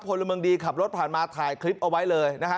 พลเมืองดีขับรถผ่านมาถ่ายคลิปเอาไว้เลยนะฮะ